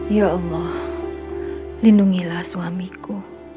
ya allah lindungilah suamiku